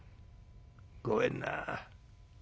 ごめんな。